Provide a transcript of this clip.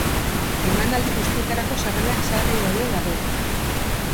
Emanaldi guztietarako sarrerak salgai daude dagoeneko.